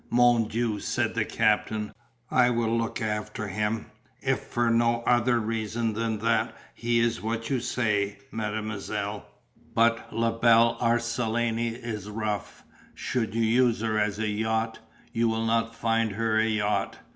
"Mon Dieu," said the Captain, "I will look after him, if for no other reason than that he is what you say, mademoiselle; but La Belle Arlesienne is rough, should you use her as a yacht, you would not find her a yacht.